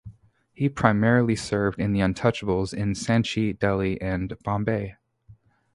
He primarily served the Untouchables in Sanchi, Delhi, and Bombay.